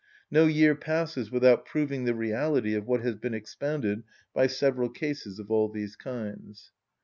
No year passes without proving the reality of what has been expounded by several cases of all these kinds.